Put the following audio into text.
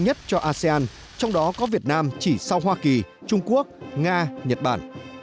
nhất cho asean trong đó có việt nam chỉ sau hoa kỳ trung quốc nga nhật bản